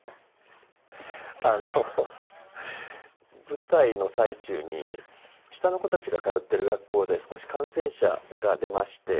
舞台の最中に下の子たちが通ってる学校で少し感染者が出まして。